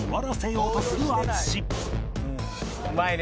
うまいね。